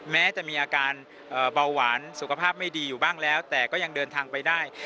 แม้จะมีอาการเบาหวานสุขภาพไม่ดีอยู่บ้างแล้วแต่ก็ยังเดินทางไปได้